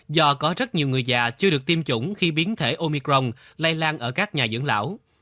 do có rất nhiều người già chưa được tiêm chủng khi biến thể omicron lây lan ở các nhà dưỡng lão